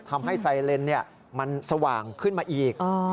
ทำให้ไซเลนมันสว่างขึ้นมาอีก